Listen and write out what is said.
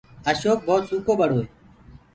اشوڪ ڀوت سُڪو ٻڙو هي۔